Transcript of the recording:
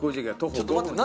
ちょっと待って何？